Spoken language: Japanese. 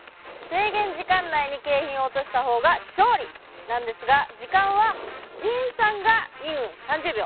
制限時間内に景品を落としたほうが勝利なんですが時間はＪＩＮさんが２分３０秒。